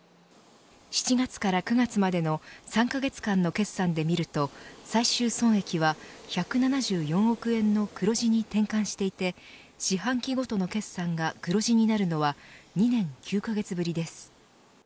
７月から９月までの３カ月間の決算で見ると最終損益は１７４億円の黒字に転換していて四半期ごとの決算が黒字になるのは２年９カ月ぶりです。